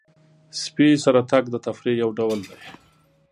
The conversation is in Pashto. سپي سره تګ د تفریح یو ډول دی.